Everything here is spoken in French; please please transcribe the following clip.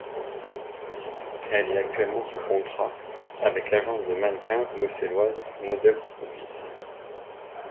Elle est actuellement sous contrat avec l'agence de mannequins bruxelloise Models Office.